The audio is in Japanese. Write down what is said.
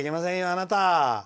あなた。